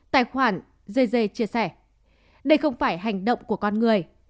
tài khoản g chia sẻ đây không phải hành động của con người